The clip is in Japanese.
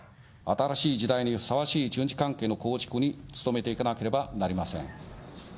新しい時代にふさわしい中日関係の構築に努めていかなければなりません。